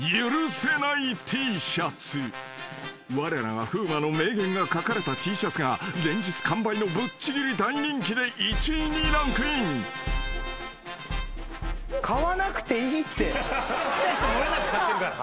［われらが風磨の名言が書かれたＴシャツが連日完売のぶっちぎり大人気で１位にランクイン］買わなくていいって。漏れなく買ってるから。